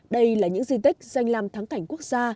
đây là những di tích danh làm thắng cảnh quốc gia